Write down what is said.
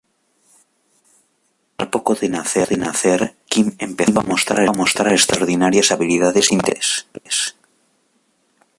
Al poco tiempo de nacer, Kim empezó a mostrar extraordinarias habilidades intelectuales.